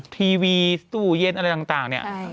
ทีวีตู้เย็นอะไรต่างเนี่ย